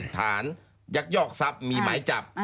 ฐานยักยอกทรัพย์มีหมายจับ